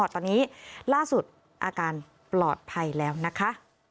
ตอนนี้ล่าสุดอาการปลอดภัยแล้วนะคะ